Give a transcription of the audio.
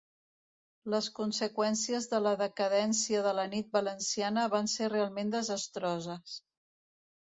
Les conseqüències de la decadència de la nit valenciana van ser realment desastroses.